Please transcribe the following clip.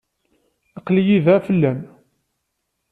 Aql-iyi da fell-am.